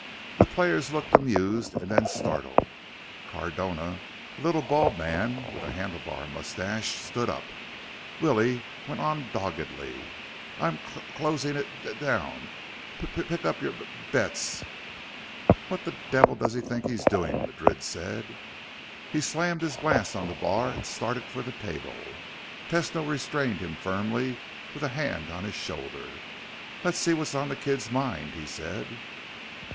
The players looked amused and then startled. Cardona, a little bald man with a handlebar mustache, stood up. Willie went on doggedly, "I'm c c closing it d down. P pick up your b b buhuh bets." "What the devil does he think he's doing?" Madrid said. He slammed his glass on the bar and started for the table. Tesno restrained him firmly with a hand on his shoulder. "Let's see what's on the kid's mind," he said.